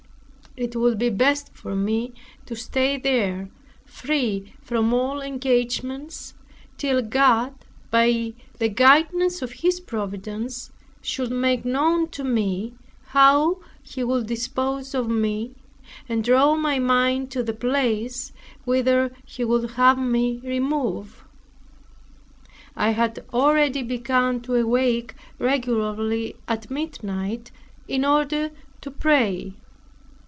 It would be best for me to stay there, free from all engagements, till God, by the guidance of His Providence, should make known to me how he would dispose of me, and draw my mind to the place whither he would have me remove. I had already begun to awake regularly at midnight, in order to pray.